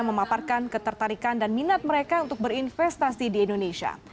memaparkan ketertarikan dan minat mereka untuk berinvestasi di indonesia